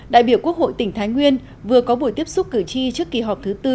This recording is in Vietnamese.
đại biểu quốc hội tỉnh thái nguyên vừa có buổi tiếp xúc cử tri trước kỳ họp thứ tư